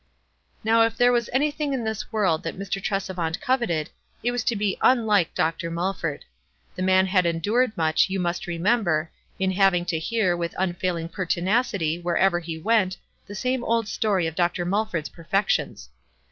Now if there was anything in this world that Mr. Tresevant coveted, it was to be unlike Dr. Mulford. The man had endured much, you must remember, in having to hear, with unfail ing pertinacity, wherever he went, the same old story of Dr. Mulford's perfections.